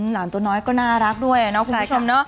หลานตัวน้อยก็น่ารักด้วยเนาะคุณผู้ชมเนาะ